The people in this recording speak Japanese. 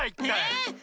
えっ。